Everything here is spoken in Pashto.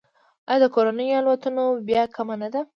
آیا د کورنیو الوتنو بیه کمه نه ده؟